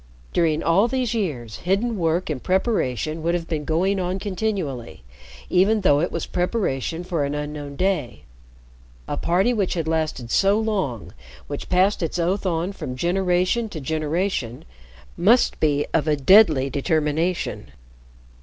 During all these years, hidden work and preparation would have been going on continually, even though it was preparation for an unknown day. A party which had lasted so long which passed its oath on from generation to generation must be of a deadly determination.